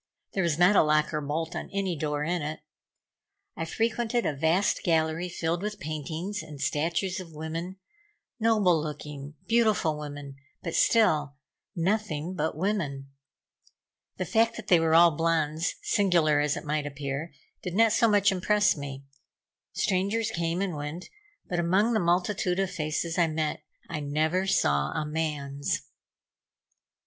There was not a lock or bolt on any door in it. I frequented a vast gallery filled with paintings and statues of women, noble looking, beautiful women, but still nothing but women. The fact that they were all blondes, singular as it might appear, did not so much impress me. Strangers came and went, but among the multitude of faces I met, I never saw a man's.